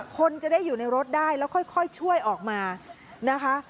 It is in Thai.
คนจะได้อยู่ในรถได้แล้วค่อยช่วยออกมานะคะ